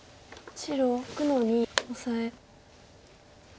白６の二オサエ。